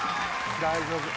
大丈夫！